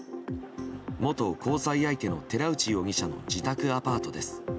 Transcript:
元交際相手の寺内容疑者の自宅アパートです。